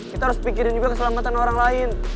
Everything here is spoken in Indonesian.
kita harus pikirin juga keselamatan orang lain